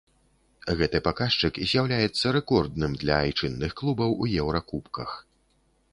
Гэты паказчык з'яўляецца рэкордным для айчынных клубаў у еўракубках.